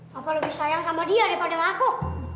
papa lebih sayang sama dia daripada sama aku